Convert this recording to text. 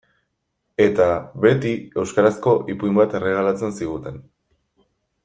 Eta, beti, euskarazko ipuin bat erregalatzen ziguten.